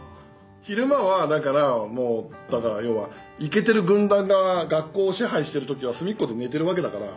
昼間はだからもうだから要はイケてる軍団が学校を支配してる時は隅っこで寝てるわけだから。